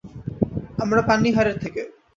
আমরা পান্নিহারের থেকে।